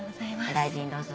お大事にどうぞ。